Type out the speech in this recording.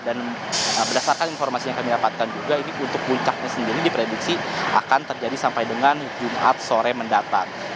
dan berdasarkan informasi yang kami dapatkan juga ini untuk puncaknya sendiri di prediksi akan terjadi sampai dengan jumat sore mendatang